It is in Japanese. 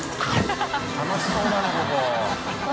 楽しそうだねここ。